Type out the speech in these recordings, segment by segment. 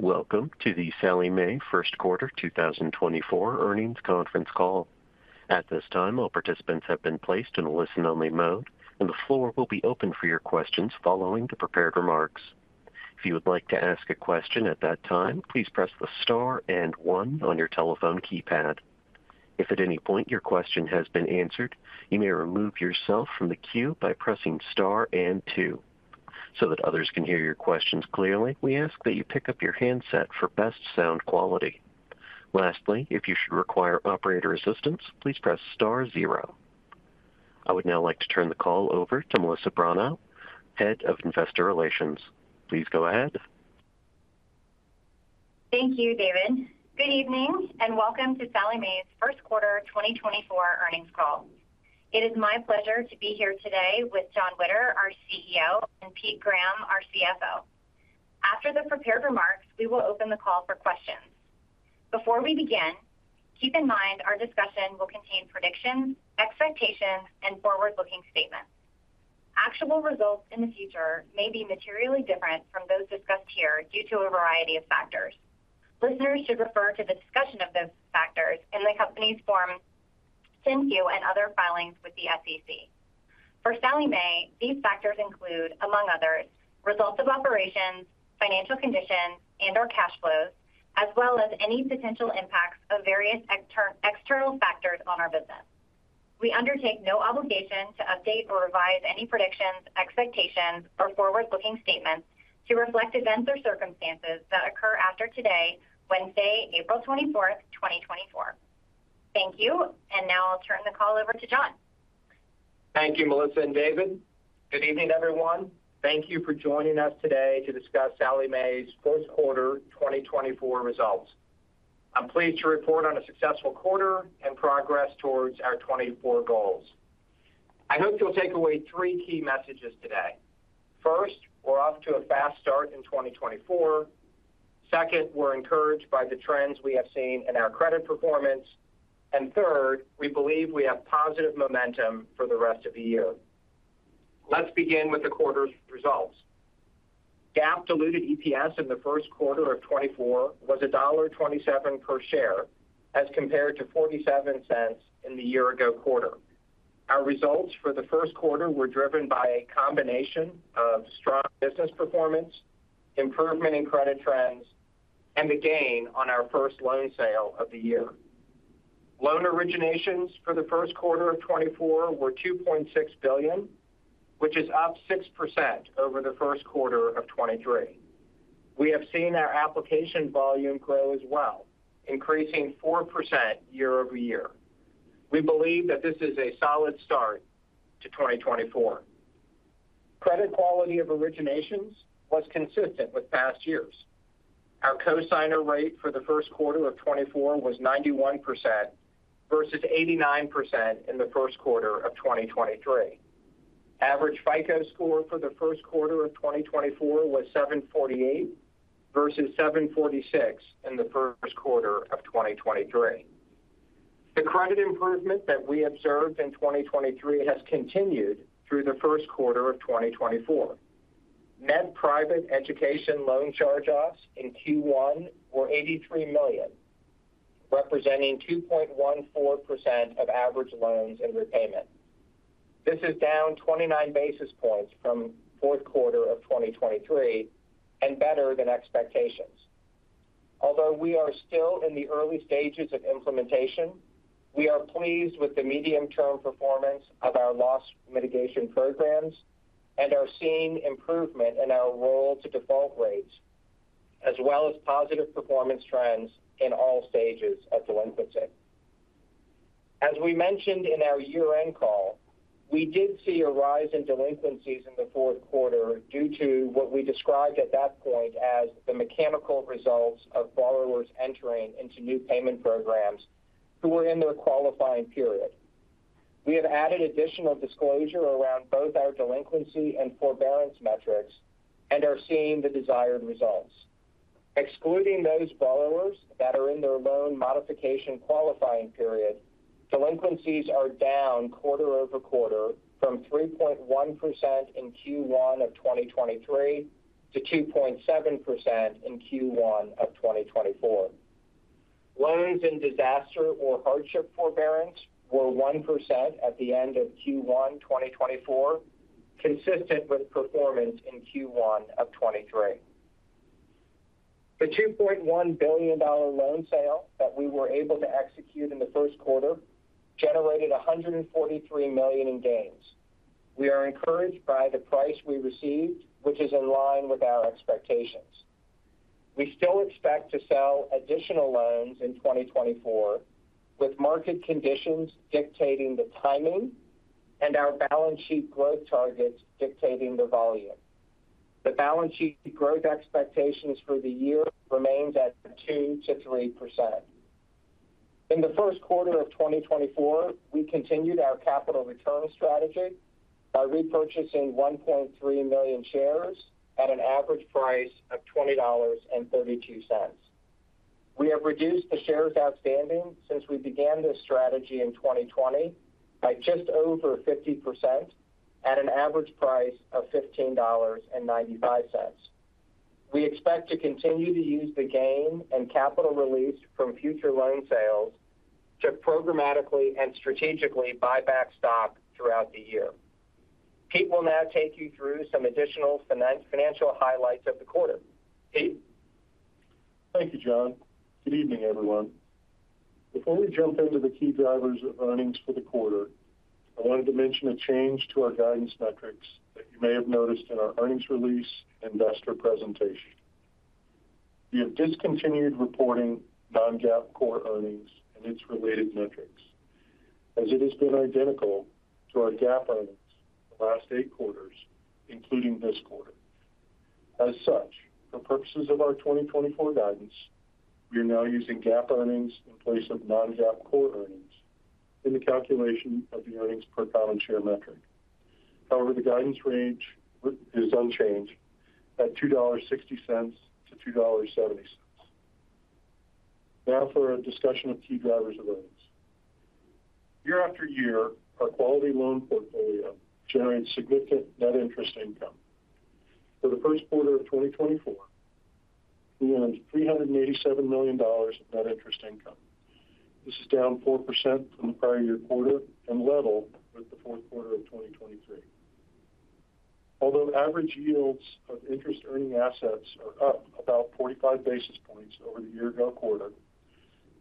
Welcome to the Sallie Mae first quarter 2024 earnings conference call. At this time, all participants have been placed in a listen-only mode, and the floor will be open for your questions following the prepared remarks. If you would like to ask a question at that time, please press the star and one on your telephone keypad. If at any point your question has been answered, you may remove yourself from the queue by pressing star and two. So that others can hear your questions clearly, we ask that you pick up your handset for best sound quality. Lastly, if you should require operator assistance, please press star zero. I would now like to turn the call over to Melissa Bronaugh, Head of Investor Relations. Please go ahead. Thank you, David. Good evening and welcome to Sallie Mae's first quarter 2024 earnings call. It is my pleasure to be here today with Jon Witter, our CEO, and Pete Graham, our CFO. After the prepared remarks, we will open the call for questions. Before we begin, keep in mind our discussion will contain predictions, expectations, and forward-looking statements. Actual results in the future may be materially different from those discussed here due to a variety of factors. Listeners should refer to the discussion of those factors in the company's Form 10-Q and other filings with the SEC. For Sallie Mae, these factors include, among others, results of operations, financial conditions, and/or cash flows, as well as any potential impacts of various external factors on our business. We undertake no obligation to update or revise any predictions, expectations, or forward-looking statements to reflect events or circumstances that occur after today, Wednesday, April 24th, 2024. Thank you. Now I'll turn the call over to Jon. Thank you, Melissa and David. Good evening, everyone. Thank you for joining us today to discuss Sallie Mae's first quarter 2024 results. I'm pleased to report on a successful quarter and progress towards our 2024 goals. I hope you'll take away three key messages today. First, we're off to a fast start in 2024. Second, we're encouraged by the trends we have seen in our credit performance. Third, we believe we have positive momentum for the rest of the year. Let's begin with the quarter's results. GAAP diluted EPS in the first quarter of 2024 was $1.27 per share as compared to $0.47 in the year-ago quarter. Our results for the first quarter were driven by a combination of strong business performance, improvement in credit trends, and the gain on our first loan sale of the year. Loan originations for the first quarter of 2024 were $2.6 billion, which is up 6% over the first quarter of 2023. We have seen our application volume grow as well, increasing 4% year-over-year. We believe that this is a solid start to 2024. Credit quality of originations was consistent with past years. Our cosigner rate for the first quarter of 2024 was 91% versus 89% in the first quarter of 2023. Average FICO score for the first quarter of 2024 was 748 versus 746 in the first quarter of 2023. The credit improvement that we observed in 2023 has continued through the first quarter of 2024. Net private education loan charge-offs in Q1 were $83 million, representing 2.14% of average loans in repayment. This is down 29 basis points from fourth quarter of 2023 and better than expectations. Although we are still in the early stages of implementation, we are pleased with the medium-term performance of our loss mitigation programs and are seeing improvement in our roll-to-default rates, as well as positive performance trends in all stages of delinquency. As we mentioned in our year-end call, we did see a rise in delinquencies in the fourth quarter due to what we described at that point as the mechanical results of borrowers entering into new payment programs who were in their qualifying period. We have added additional disclosure around both our delinquency and forbearance metrics and are seeing the desired results. Excluding those borrowers that are in their loan modification qualifying period, delinquencies are down quarter-over-quarter from 3.1% in Q1 of 2023 to 2.7% in Q1 of 2024. Loans in disaster or hardship forbearance were 1% at the end of Q1 2024, consistent with performance in Q1 of 2023. The $2.1 billion loan sale that we were able to execute in the first quarter generated $143 million in gains. We are encouraged by the price we received, which is in line with our expectations. We still expect to sell additional loans in 2024, with market conditions dictating the timing and our balance sheet growth targets dictating the volume. The balance sheet growth expectations for the year remain at 2%-3%. In the first quarter of 2024, we continued our capital return strategy by repurchasing 1.3 million shares at an average price of $20.32. We have reduced the shares outstanding since we began this strategy in 2020 by just over 50% at an average price of $15.95. We expect to continue to use the gain and capital released from future loan sales to programmatically and strategically buy back stock throughout the year. Pete will now take you through some additional financial highlights of the quarter. Pete. Thank you, Jon. Good evening, everyone. Before we jump into the key drivers of earnings for the quarter, I wanted to mention a change to our guidance metrics that you may have noticed in our earnings release and investor presentation. We have discontinued reporting non-GAAP core earnings and its related metrics, as it has been identical to our GAAP earnings for the last eight quarters, including this quarter. As such, for purposes of our 2024 guidance, we are now using GAAP earnings in place of non-GAAP core earnings in the calculation of the earnings per common share metric. However, the guidance range is unchanged at $2.60-$2.70. Now for a discussion of key drivers of earnings. Year after year, our quality loan portfolio generated significant net interest income. For the first quarter of 2024, we earned $387 million of net interest income. This is down 4% from the prior year quarter and level with the fourth quarter of 2023. Although average yields of interest-earning assets are up about 45 basis points over the year-ago quarter,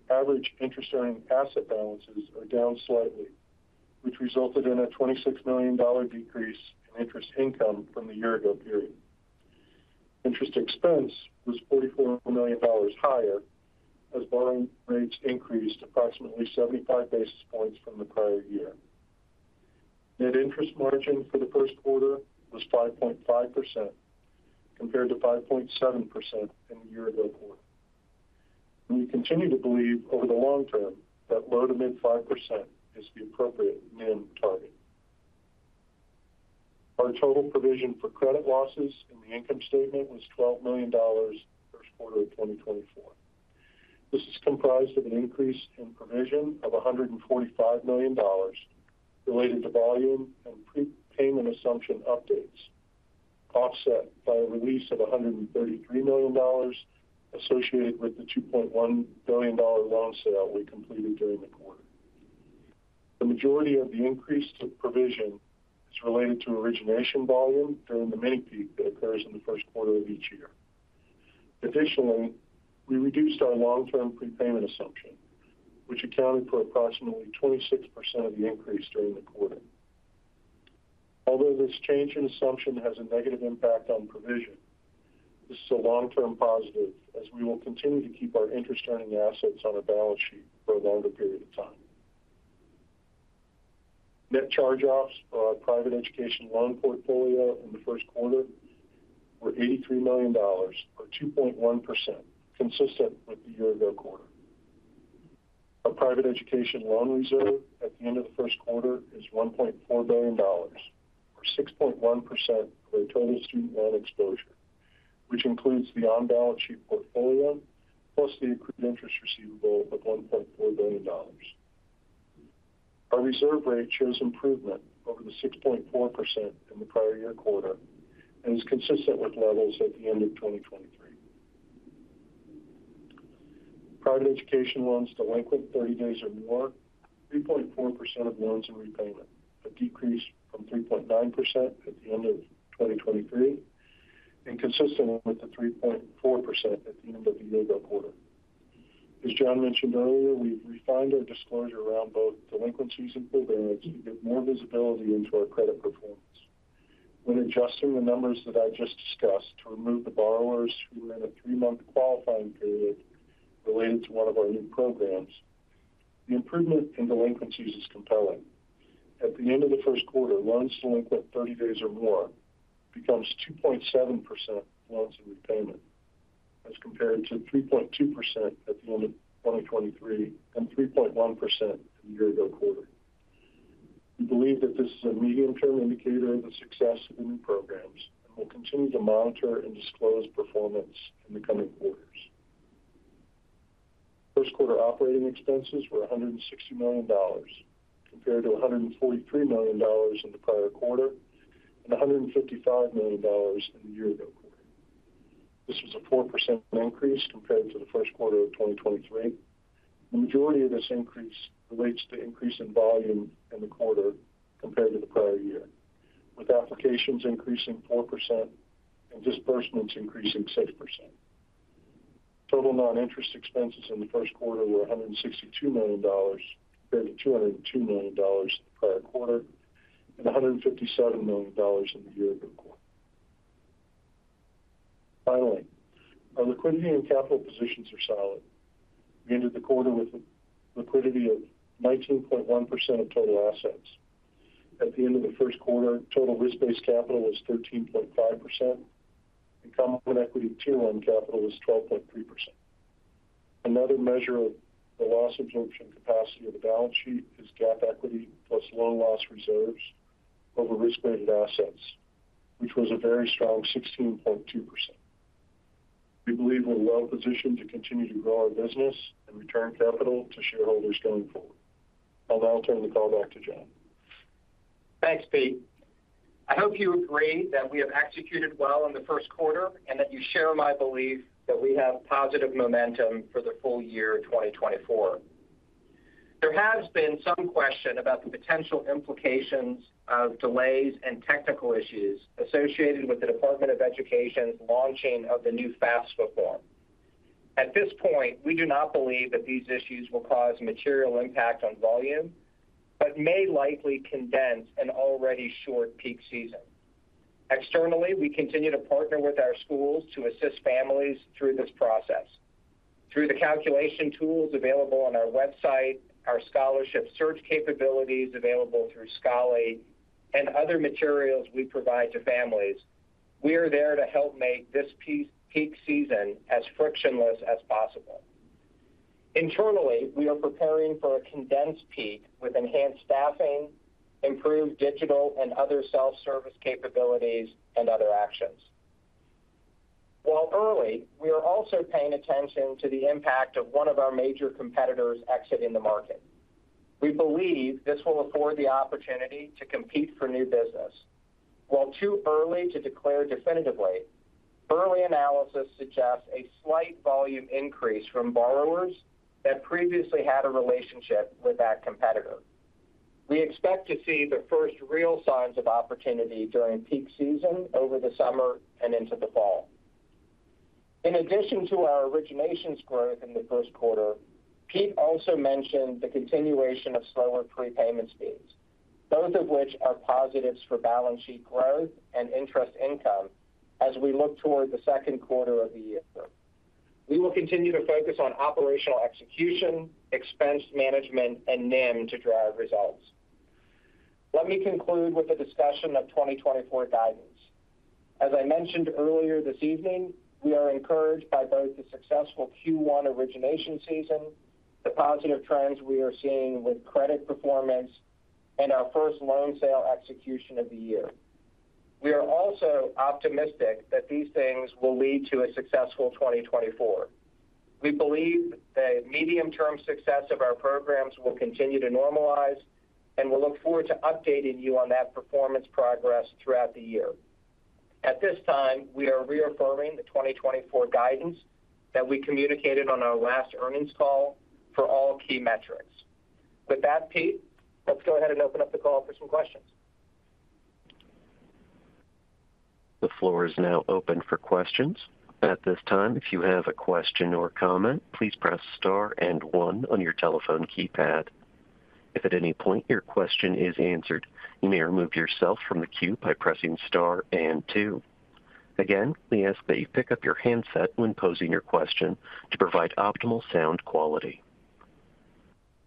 average interest-earning asset balances are down slightly, which resulted in a $26 million decrease in interest income from the year-ago period. Interest expense was $44 million higher as borrowing rates increased approximately 75 basis points from the prior year. Net interest margin for the first quarter was 5.5% compared to 5.7% in the year-ago quarter. We continue to believe over the long term that low to mid-5% is the appropriate NIM target. Our total provision for credit losses in the income statement was $12 million first quarter of 2024. This is comprised of an increase in provision of $145 million related to volume and prepayment assumption updates, offset by a release of $133 million associated with the $2.1 billion loan sale we completed during the quarter. The majority of the increase to provision is related to origination volume during the mini-peak that occurs in the first quarter of each year. Additionally, we reduced our long-term prepayment assumption, which accounted for approximately 26% of the increase during the quarter. Although this change in assumption has a negative impact on provision, this is a long-term positive as we will continue to keep our interest-earning assets on our balance sheet for a longer period of time. Net charge-offs for our private education loan portfolio in the first quarter were $83 million or 2.1%, consistent with the year-ago quarter. Our private education loan reserve at the end of the first quarter is $1.4 billion or 6.1% of our total student loan exposure, which includes the on-balance sheet portfolio plus the accrued interest receivable of $1.4 billion. Our reserve rate shows improvement over the 6.4% in the prior year quarter and is consistent with levels at the end of 2023. Private education loans delinquent 30 days or more, 3.4% of loans in repayment, a decrease from 3.9% at the end of 2023 and consistent with the 3.4% at the end of the year-ago quarter. As Jon mentioned earlier, we've refined our disclosure around both delinquencies and forbearance to give more visibility into our credit performance. When adjusting the numbers that I just discussed to remove the borrowers who were in a three-month qualifying period related to one of our new programs, the improvement in delinquencies is compelling. At the end of the first quarter, loans delinquent 30 days or more becomes 2.7% loans in repayment as compared to 3.2% at the end of 2023 and 3.1% in the year-ago quarter. We believe that this is a medium-term indicator of the success of the new programs and will continue to monitor and disclose performance in the coming quarters. First quarter operating expenses were $160 million compared to $143 million in the prior quarter and $155 million in the year-ago quarter. This was a 4% increase compared to the first quarter of 2023. The majority of this increase relates to increase in volume in the quarter compared to the prior year, with applications increasing 4% and disbursements increasing 6%. Total non-interest expenses in the first quarter were $162 million compared to $202 million in the prior quarter and $157 million in the year-ago quarter. Finally, our liquidity and capital positions are solid. We ended the quarter with a liquidity of 19.1% of total assets. At the end of the first quarter, total risk-based capital was 13.5% and Common Equity Tier one Capital was 12.3%. Another measure of the loss absorption capacity of the balance sheet is GAAP equity plus loan loss reserves over risk-weighted assets, which was a very strong 16.2%. We believe we're well positioned to continue to grow our business and return capital to shareholders going forward. I'll now turn the call back to Jon. Thanks, Pete. I hope you agree that we have executed well in the first quarter and that you share my belief that we have positive momentum for the full year 2024. There has been some question about the potential implications of delays and technical issues associated with the Department of Education's launching of the new FAFSA form. At this point, we do not believe that these issues will cause material impact on volume but may likely condense an already short peak season. Externally, we continue to partner with our schools to assist families through this process. Through the calculation tools available on our website, our scholarship search capabilities available through Scholly, and other materials we provide to families, we are there to help make this peak season as frictionless as possible. Internally, we are preparing for a condensed peak with enhanced staffing, improved digital and other self-service capabilities, and other actions. While early, we are also paying attention to the impact of one of our major competitors exiting the market. We believe this will afford the opportunity to compete for new business. While too early to declare definitively, early analysis suggests a slight volume increase from borrowers that previously had a relationship with that competitor. We expect to see the first real signs of opportunity during peak season over the summer and into the fall. In addition to our originations growth in the first quarter, Pete also mentioned the continuation of slower prepayment speeds, both of which are positives for balance sheet growth and interest income as we look toward the second quarter of the year. We will continue to focus on operational execution, expense management, and NIM to drive results. Let me conclude with a discussion of 2024 guidance. As I mentioned earlier this evening, we are encouraged by both the successful Q1 origination season, the positive trends we are seeing with credit performance, and our first loan sale execution of the year. We are also optimistic that these things will lead to a successful 2024. We believe the medium-term success of our programs will continue to normalize, and we'll look forward to updating you on that performance progress throughout the year. At this time, we are reaffirming the 2024 guidance that we communicated on our last earnings call for all key metrics. With that, Pete, let's go ahead and open up the call for some questions. The floor is now open for questions at this time. If you have a question or comment, please press star and one on your telephone keypad. If at any point your question is answered, you may remove yourself from the queue by pressing star and two. Again, we ask that you pick up your handset when posing your question to provide optimal sound quality.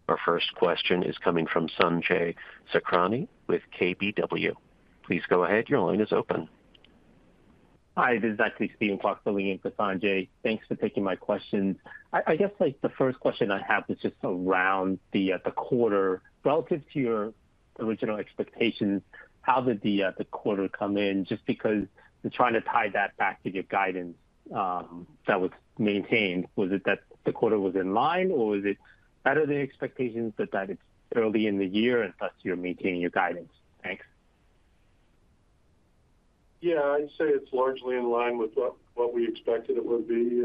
Our first question is coming from Sanjay Sakrani with KBW. Please go ahead. Your line is open. Hi. This is actually Steven Fox building in for Sanjay. Thanks for taking my questions. I guess the first question I have was just around the quarter. Relative to your original expectations, how did the quarter come in? Just because we're trying to tie that back to your guidance that was maintained, was it that the quarter was in line, or was it better than expectations but that it's early in the year and thus you're maintaining your guidance? Thanks. Yeah. I'd say it's largely in line with what we expected it would be.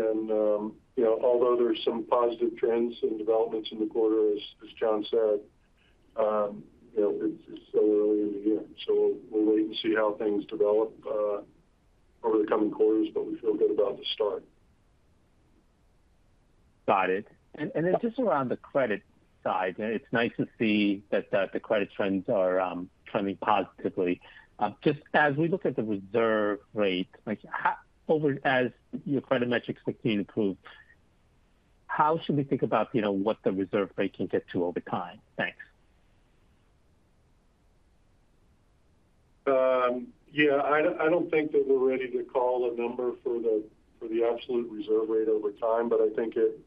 Although there's some positive trends and developments in the quarter, as Jon said, it's still early in the year. We'll wait and see how things develop over the coming quarters, but we feel good about the start. Got it. And then just around the credit side, it's nice to see that the credit trends are trending positively. Just as we look at the reserve rate, as your credit metrics continue to improve, how should we think about what the reserve rate can get to over time? Thanks. Yeah. I don't think that we're ready to call a number for the absolute reserve rate over time, but I think it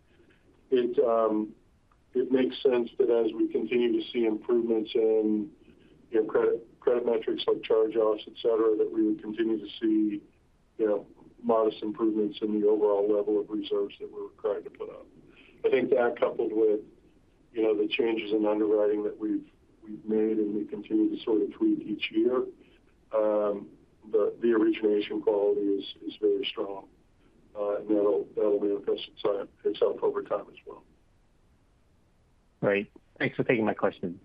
makes sense that as we continue to see improvements in credit metrics like charge-offs, etc., that we would continue to see modest improvements in the overall level of reserves that we're required to put up. I think that coupled with the changes in underwriting that we've made and we continue to sort of tweak each year, the origination quality is very strong, and that'll manifest itself over time as well. Great. Thanks for taking my question.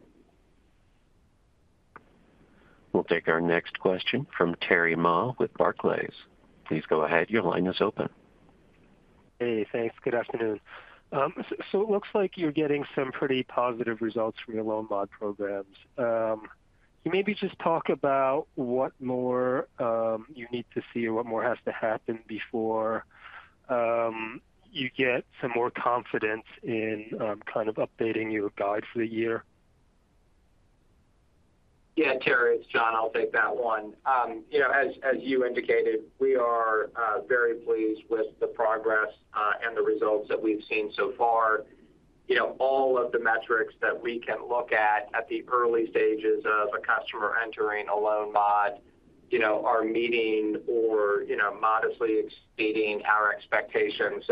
We'll take our next question from Terry Ma with Barclays. Please go ahead. Your line is open. Hey. Thanks. Good afternoon. So it looks like you're getting some pretty positive results from your loan mod programs. Can you maybe just talk about what more you need to see or what more has to happen before you get some more confidence in kind of updating your guide for the year? Yeah. Terry, it's Jon. I'll take that one. As you indicated, we are very pleased with the progress and the results that we've seen so far. All of the metrics that we can look at at the early stages of a customer entering a loan mod are meeting or modestly exceeding our expectations.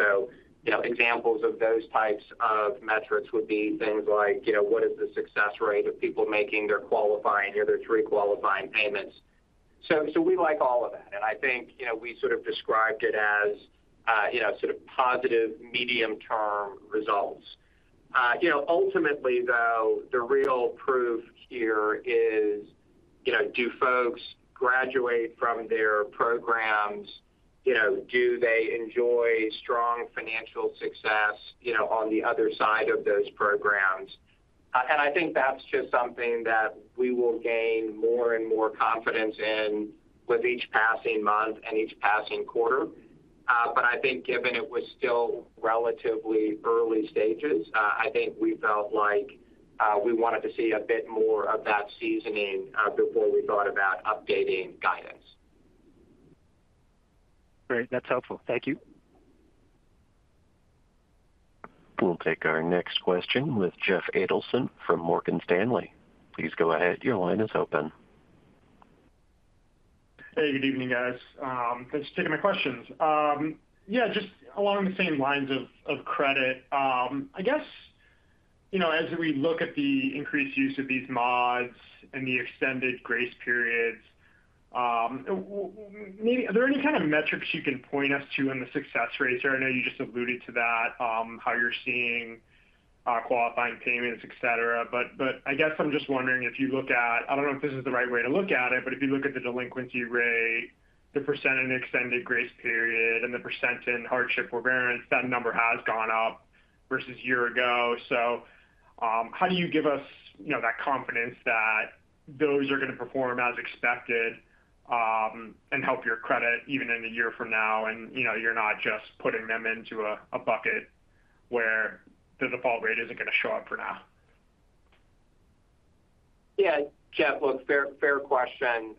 So examples of those types of metrics would be things like, what is the success rate of people making their qualifying or their pre-qualifying payments? So we like all of that. And I think we sort of described it as sort of positive medium-term results. Ultimately, though, the real proof here is, do folks graduate from their programs? Do they enjoy strong financial success on the other side of those programs? And I think that's just something that we will gain more and more confidence in with each passing month and each passing quarter. But I think given it was still relatively early stages, I think we felt like we wanted to see a bit more of that seasoning before we thought about updating guidance. Great. That's helpful. Thank you. We'll take our next question with Jeff Adelson from Morgan Stanley. Please go ahead. Your line is open. Hey. Good evening, guys. Thanks for taking my questions. Yeah. Just along the same lines of credit, I guess as we look at the increased use of these mods and the extended grace periods, are there any kind of metrics you can point us to in the success rate? So I know you just alluded to that, how you're seeing qualifying payments, etc. But I guess I'm just wondering if you look at—I don't know if this is the right way to look at it, but if you look at the delinquency rate, the % in extended grace period, and the percent in hardship forbearance, that number has gone up versus a year ago. So, how do you give us that confidence that those are going to perform as expected and help your credit even in a year from now, and you're not just putting them into a bucket where the default rate isn't going to show up for now? Yeah. Jeff, look, fair question.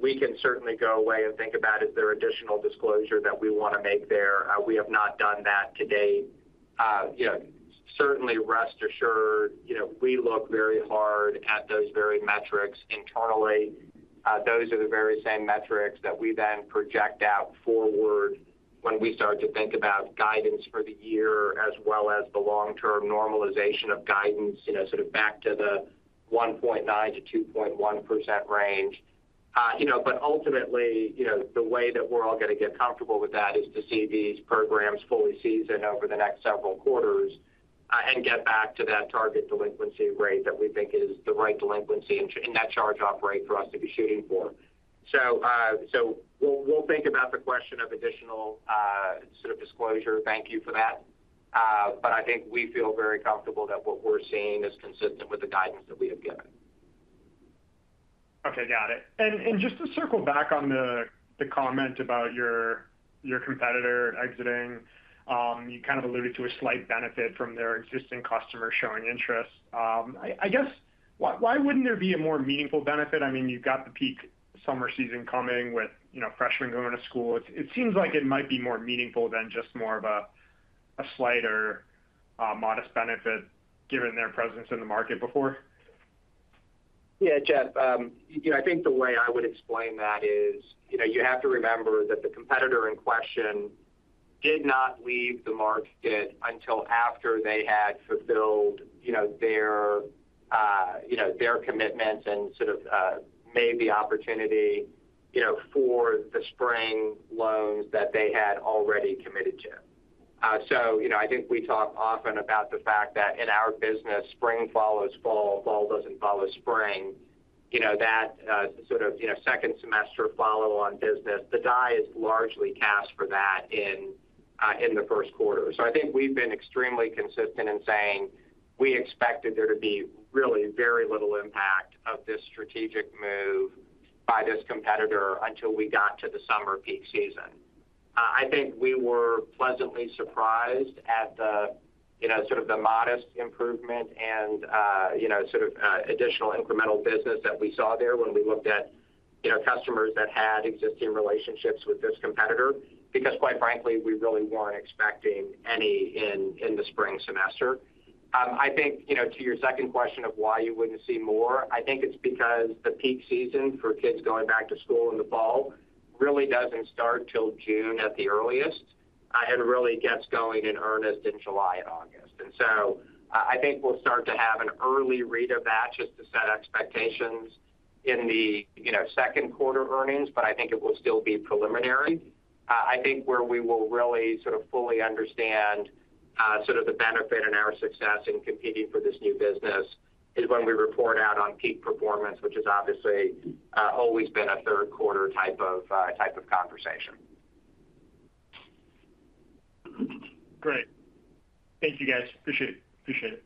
We can certainly go away and think about, is there additional disclosure that we want to make there? We have not done that to date. Certainly, rest assured, we look very hard at those very metrics internally. Those are the very same metrics that we then project out forward when we start to think about guidance for the year as well as the long-term normalization of guidance sort of back to the 1.9%-2.1% range. But ultimately, the way that we're all going to get comfortable with that is to see these programs fully seasoned over the next several quarters and get back to that target delinquency rate that we think is the right delinquency and that charge-off rate for us to be shooting for. So we'll think about the question of additional sort of disclosure. Thank you for that. But I think we feel very comfortable that what we're seeing is consistent with the guidance that we have given. Okay. Got it. Just to circle back on the comment about your competitor exiting, you kind of alluded to a slight benefit from their existing customer showing interest. I guess why wouldn't there be a more meaningful benefit? I mean, you've got the peak summer season coming with freshmen going to school. It seems like it might be more meaningful than just more of a slight or modest benefit given their presence in the market before. Yeah. Jeff, I think the way I would explain that is you have to remember that the competitor in question did not leave the market until after they had fulfilled their commitments and sort of made the opportunity for the spring loans that they had already committed to. So I think we talk often about the fact that in our business, spring follows fall. Fall doesn't follow spring. That sort of second-semester follow-on business, the die is largely cast for that in the first quarter. So I think we've been extremely consistent in saying we expected there to be really very little impact of this strategic move by this competitor until we got to the summer peak season. I think we were pleasantly surprised at sort of the modest improvement and sort of additional incremental business that we saw there when we looked at customers that had existing relationships with this competitor because, quite frankly, we really weren't expecting any in the spring semester. I think to your second question of why you wouldn't see more, I think it's because the peak season for kids going back to school in the fall really doesn't start till June at the earliest and really gets going in earnest in July and August. So I think we'll start to have an early read of that just to set expectations in the second quarter earnings, but I think it will still be preliminary. I think where we will really sort of fully understand sort of the benefit and our success in competing for this new business is when we report out on peak performance, which has obviously always been a third-quarter type of conversation. Great. Thank you, guys. Appreciate it. Appreciate it.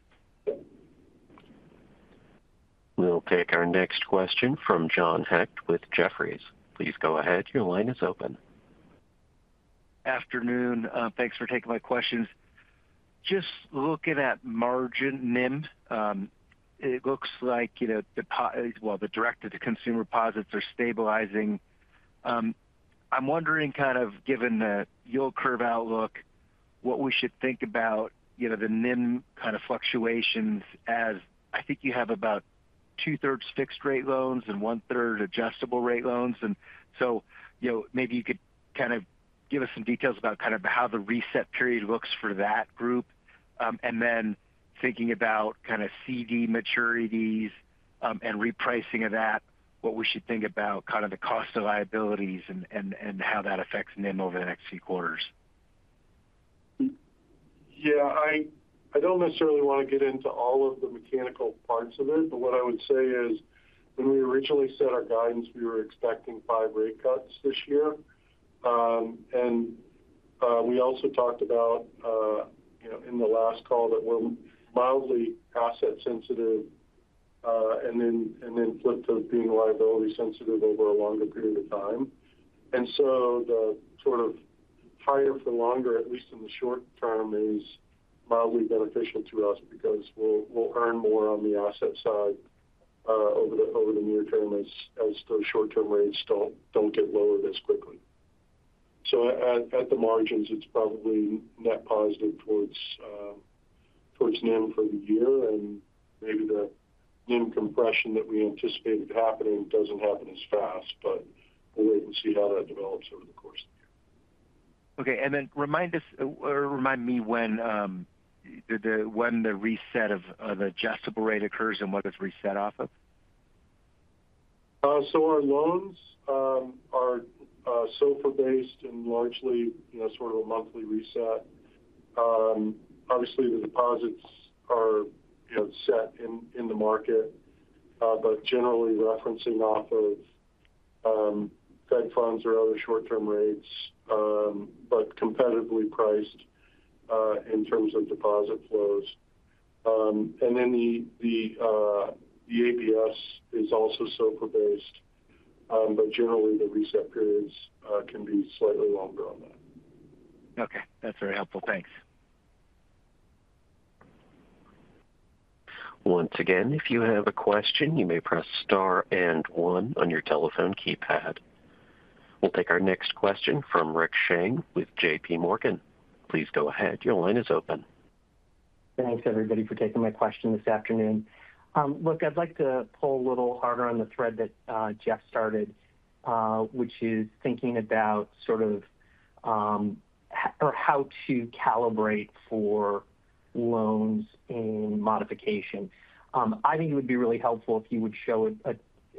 We'll take our next question from John Hecht with Jefferies. Please go ahead. Your line is open. Afternoon. Thanks for taking my questions. Just looking at margin NIM, it looks like, well, the direct-to-consumer deposits are stabilizing. I'm wondering, kind of given the yield curve outlook, what we should think about the NIM kind of fluctuations as I think you have about two-thirds fixed-rate loans and one-third adjustable-rate loans. And so maybe you could kind of give us some details about kind of how the reset period looks for that group. And then thinking about kind of CD maturities and repricing of that, what we should think about kind of the cost of liabilities and how that affects NIM over the next few quarters. Yeah. I don't necessarily want to get into all of the mechanical parts of it. But what I would say is when we originally set our guidance, we were expecting five rate cuts this year. And we also talked about in the last call that we're mildly asset-sensitive and then flipped to being liability-sensitive over a longer period of time. And so the sort of higher for longer, at least in the short term, is mildly beneficial to us because we'll earn more on the asset side over the near term as those short-term rates don't get lowered as quickly. So at the margins, it's probably net positive towards NIM for the year. And maybe the NIM compression that we anticipated happening doesn't happen as fast, but we'll wait and see how that develops over the course of the year. Okay. And then remind us or remind me when the reset of the adjustable rate occurs and what it's reset off of? So our loans are SOFR-based and largely sort of a monthly reset. Obviously, the deposits are set in the market but generally referencing off of Fed funds or other short-term rates but competitively priced in terms of deposit flows. And then the ABS is also SOFR-based, but generally, the reset periods can be slightly longer on that. Okay. That's very helpful. Thanks. Once again, if you have a question, you may press star and one on your telephone keypad. We'll take our next question from Rick Shane with JPMorgan. Please go ahead. Your line is open. Thanks, everybody, for taking my question this afternoon. Look, I'd like to pull a little harder on the thread that Jeff started, which is thinking about sort of or how to calibrate for loans in modification. I think it would be really helpful if you would show it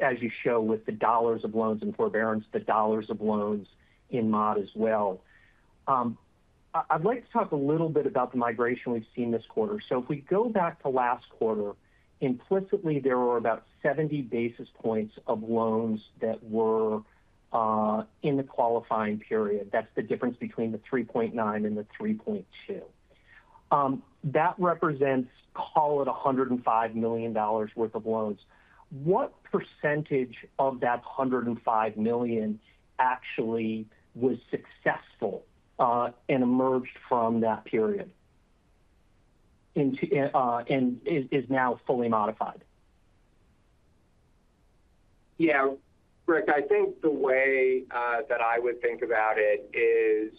as you show with the dollars of loans and forbearance, the dollars of loans in mod as well. I'd like to talk a little bit about the migration we've seen this quarter. So if we go back to last quarter, implicitly, there were about 70 basis points of loans that were in the qualifying period. That's the difference between the 3.9 and the 3.2. That represents, call it, $105 million worth of loans. What percentage of that $105 million actually was successful and emerged from that period and is now fully modified? Yeah. Rick, I think the way that I would think about it is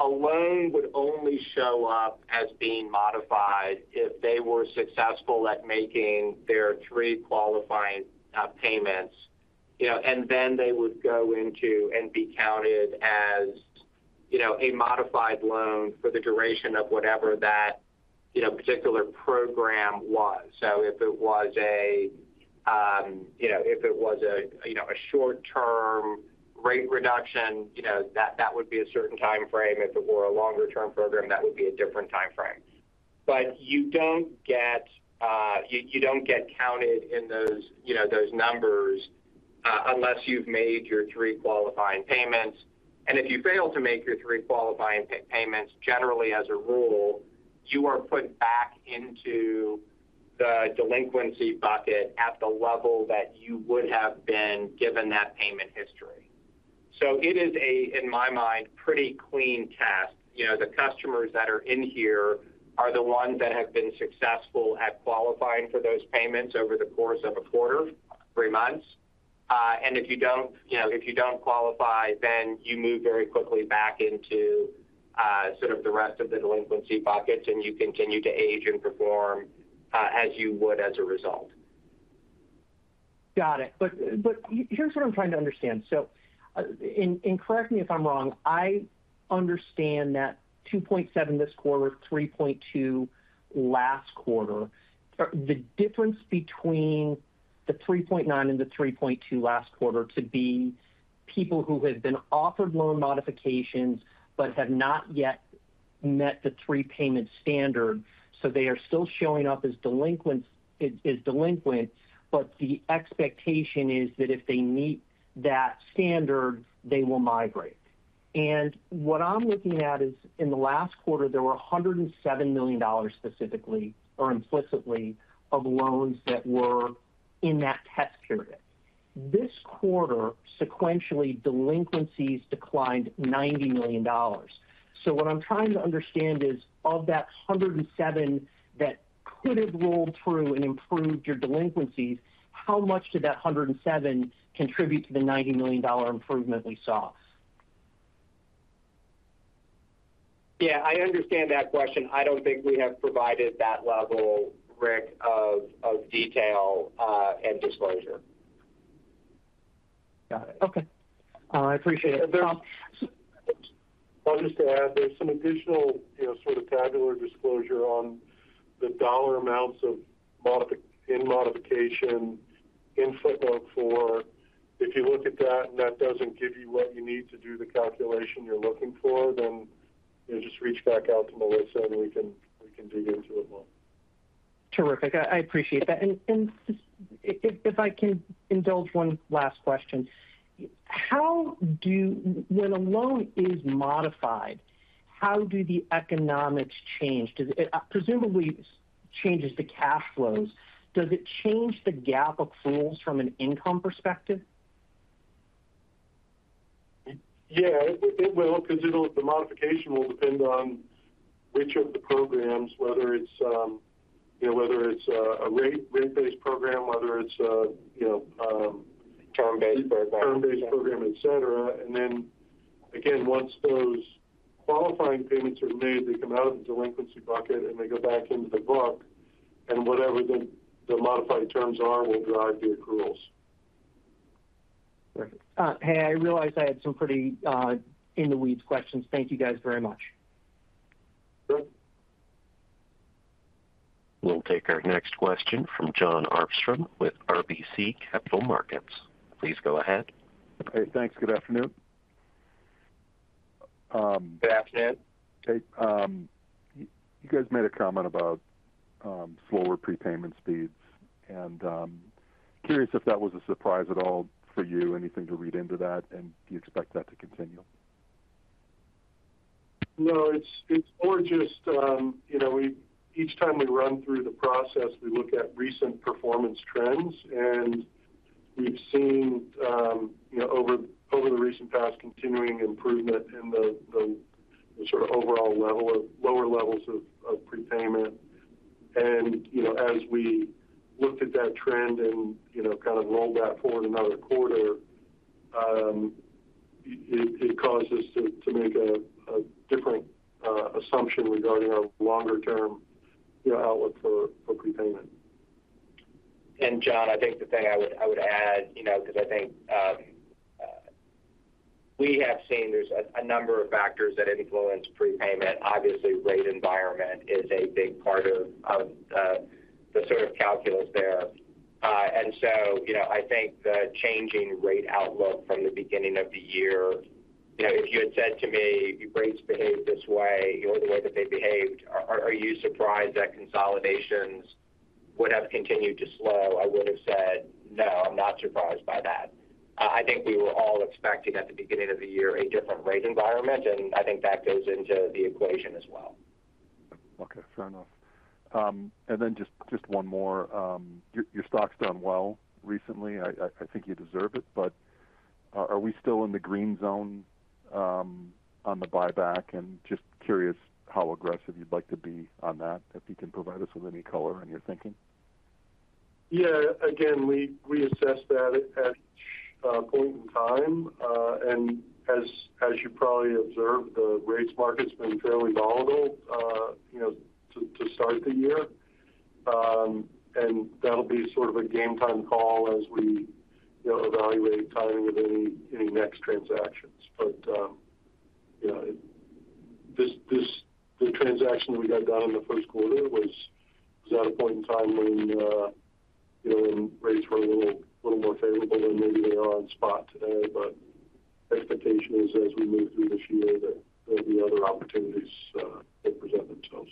a loan would only show up as being modified if they were successful at making their three qualifying payments. And then they would go into and be counted as a modified loan for the duration of whatever that particular program was. So if it was a short-term rate reduction, that would be a certain timeframe. If it were a longer-term program, that would be a different timeframe. But you don't get counted in those numbers unless you've made your three qualifying payments. And if you fail to make your three qualifying payments, generally, as a rule, you are put back into the delinquency bucket at the level that you would have been given that payment history. So it is, in my mind, pretty clean task. The customers that are in here are the ones that have been successful at qualifying for those payments over the course of a quarter, three months. If you don't qualify, then you move very quickly back into sort of the rest of the delinquency buckets, and you continue to age and perform as you would as a result. Got it. But here's what I'm trying to understand. So correct me if I'm wrong. I understand that 2.7 this quarter, 3.2 last quarter. The difference between the 3.9 and the 3.2 last quarter to be people who have been offered loan modifications but have not yet met the three-payment standard. So they are still showing up as delinquent. But the expectation is that if they meet that standard, they will migrate. And what I'm looking at is in the last quarter, there were $107 million specifically or implicitly of loans that were in that test period. This quarter, sequentially, delinquencies declined $90 million. So what I'm trying to understand is of that 107 that could have rolled through and improved your delinquencies, how much did that 107 contribute to the $90 million improvement we saw? Yeah. I understand that question. I don't think we have provided that level, Rick, of detail and disclosure. Got it. Okay. I appreciate it. I'll just add there's some additional sort of tabular disclosure on the dollar amounts in modifications in footnote four. If you look at that and that doesn't give you what you need to do the calculation you're looking for, then just reach back out to Melissa, and we can dig into it more. Terrific. I appreciate that. If I can indulge one last question, when a loan is modified, how do the economics change? Presumably, it changes the cash flows. Does it change the GAAP accruals from an income perspective? Yeah. It will because the modification will depend on which of the programs, whether it's a rate-based program, whether it's a. Term-based program. Term-based program, etc. Then again, once those qualifying payments are made, they come out of the delinquency bucket, and they go back into the book. Whatever the modified terms are will drive the accruals. Perfect. Hey, I realize I had some pretty in-the-weeds questions. Thank you guys very much. Sure. We'll take our next question from Jon Arfstrom with RBC Capital Markets. Please go ahead. Hey. Thanks. Good afternoon. Good afternoon. Okay. You guys made a comment about slower prepayment speeds. And curious if that was a surprise at all for you, anything to read into that, and do you expect that to continue? No. It's more just each time we run through the process, we look at recent performance trends. We've seen over the recent past continuing improvement in the sort of overall lower levels of prepayment. As we looked at that trend and kind of rolled that forward another quarter, it caused us to make a different assumption regarding our longer-term outlook for prepayment. John, I think the thing I would add because I think we have seen there's a number of factors that influence prepayment. Obviously, rate environment is a big part of the sort of calculus there. And so I think the changing rate outlook from the beginning of the year if you had said to me, "Rates behave this way or the way that they behaved, are you surprised that consolidations would have continued to slow?" I would have said, "No, I'm not surprised by that." I think we were all expecting at the beginning of the year a different rate environment. And I think that goes into the equation as well. Okay. Fair enough. And then just one more. Your stock's done well recently. I think you deserve it. But are we still in the green zone on the buyback? And just curious how aggressive you'd like to be on that if you can provide us with any color on your thinking. Yeah. Again, we assess that at each point in time. As you probably observed, the rates market's been fairly volatile to start the year. That'll be sort of a game-time call as we evaluate timing of any next transactions. But the transaction that we got done in the first quarter, was that a point in time when rates were a little more favorable than maybe they are on spot today? Expectation is as we move through this year, there'll be other opportunities that present themselves.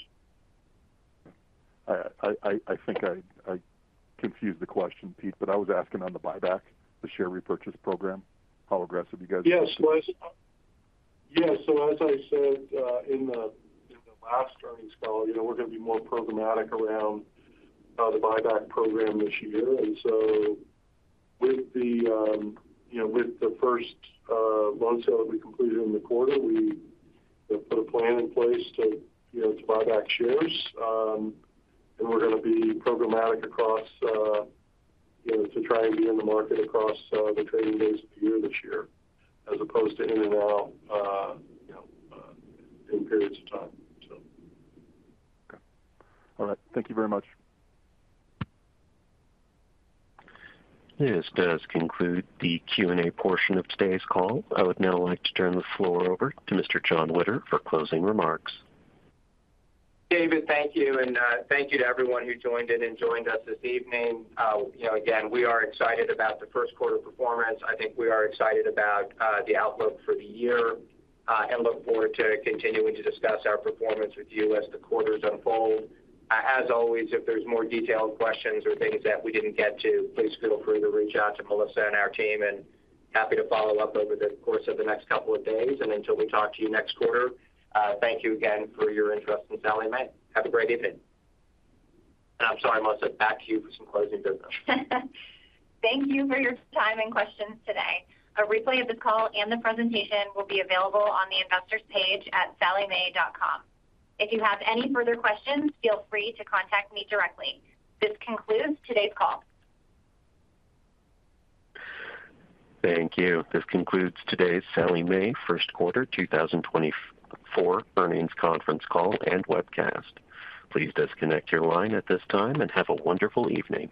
All right. I think I confused the question, Pete. But I was asking on the buyback, the share repurchase program, how aggressive you guys are. Yes. Yes. So as I said in the last earnings call, we're going to be more programmatic around the buyback program this year. And so with the first loan sale that we completed in the quarter, we put a plan in place to buy back shares. And we're going to be programmatic across to try and be in the market across the trading days of the year this year as opposed to in and out in periods of time, so. Okay. All right. Thank you very much. This does conclude the Q&A portion of today's call. I would now like to turn the floor over to Mr. Jon Witter for closing remarks. David, thank you. And thank you to everyone who joined in and joined us this evening. Again, we are excited about the first quarter performance. I think we are excited about the outlook for the year and look forward to continuing to discuss our performance with you as the quarters unfold. As always, if there's more detailed questions or things that we didn't get to, please feel free to reach out to Melissa and our team. And happy to follow up over the course of the next couple of days. And until we talk to you next quarter, thank you again for your interest in Sallie Mae. Have a great evening. And I'm sorry, Melissa. Back to you for some closing business. Thank you for your time and questions today. A replay of this call and the presentation will be available on the investors' page at salliemae.com. If you have any further questions, feel free to contact me directly. This concludes today's call. Thank you. This concludes today's Sallie Mae first quarter 2024 earnings conference call and webcast. Please disconnect your line at this time and have a wonderful evening.